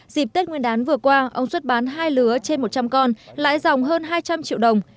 dịp tết nguyên đán vừa qua ông xuất bán hai lứa trên một trăm linh con lãi dòng hơn hai trăm linh triệu đồng